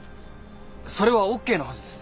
それはＯＫなはずです。